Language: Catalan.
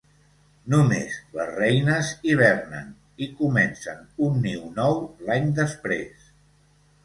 Només les reines hibernen i comencen un niu nou l'any després.